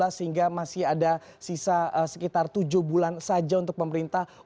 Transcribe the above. sehingga masih ada sisa sekitar tujuh bulan saja untuk pemerintah